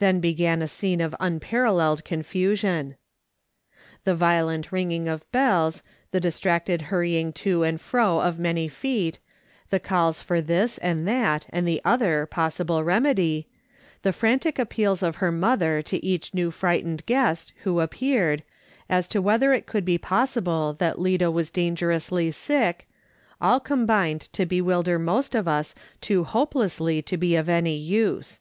Then began a scene of unparalleled confusion. Tlie violent ringing of bells, the distracted hurrying to and fro of many feet, the calls for this and that and the other possible remedy, the frantic appeals of her mother to each new frightened guest who appeared, as to whether it could be possible tliat Lida was dangerously sick, all combined to bewilder IS8 MRS. SOLOMON SMITH LOOKING ON. most of us too hopelessly to be of any use.